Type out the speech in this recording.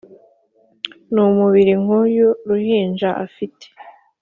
numubiri nkuwu ruhinja afite